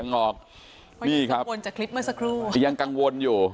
ยังกังวลจากคลิปไม่สักครู่